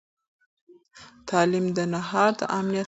تعلیم د نهار د امانت حق دی.